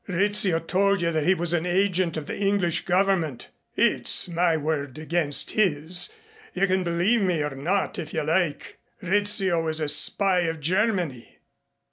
Rizzio told you that he was an agent of the English Government. It's my word against his. You can believe me or not if you like. Rizzio is a spy of Germany!"